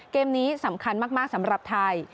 เกมนี้สำคัญมากสำหรับไทย